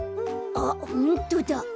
あっホントだ。